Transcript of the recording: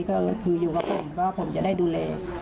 ก็คืออยู่กับผมก็ผมจะได้ดูแล